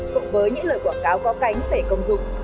cũng với những lời quảng cáo có cánh về công dụng